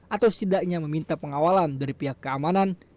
atau setidaknya meminta pengawalan dari pihak keamanan